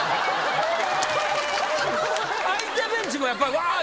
相手ベンチもやっぱり「ワー」